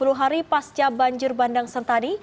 sepuluh hari pasca banjir bandang sentani